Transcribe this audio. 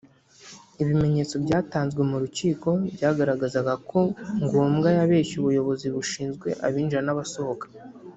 Ibimenyetso byatanzwe mu rukiko byagaragazaga ko Ngombwa yabeshye ubuyobozi bushinzwe abinjira n’abasohoka